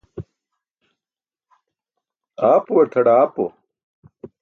Aapuwar tʰaḍaapo.